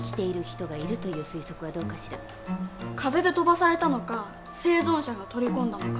風で飛ばされたのか生存者が取り込んだのか。